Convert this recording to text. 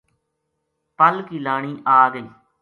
پل کی لانی آگئی